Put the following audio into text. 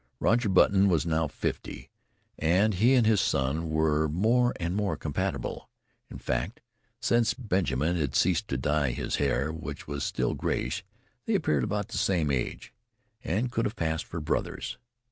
Roger Button was now fifty, and he and his son were more and more companionable in fact, since Benjamin had ceased to dye his hair (which was still grayish) they appeared about the same age, and could have passed for brothers.